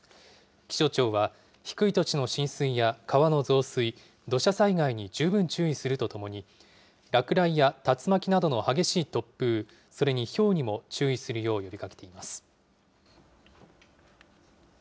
気象庁は低い土地の浸水や川の増水、土砂災害に十分注意するとともに、落雷や竜巻などの激しい突風、それにひょうにも注意するよう呼びかけています。